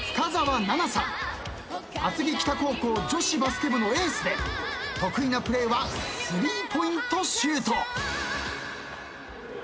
厚木北高校女子バスケ部のエースで得意なプレーは３ポイントシュート。